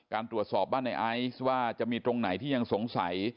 ตรวจสอบบ้านในไอซ์ว่าจะมีตรงไหนที่ยังสงสัย